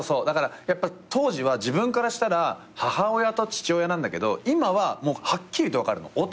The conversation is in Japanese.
だから当時は自分からしたら母親と父親なんだけど今ははっきりと分かるの。